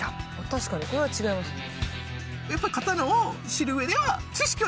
確かにこれは違いますね。